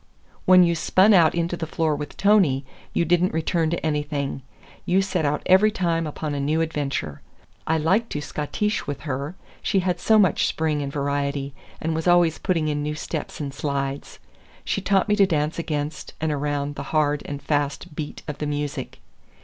When you spun out into the floor with Tony, you did n't return to anything. You set out every time upon a new adventure. I liked to schottische with her; she had so much spring and variety, and was always putting in new steps and slides. She taught me to dance against and around the hard and fast beat of the music.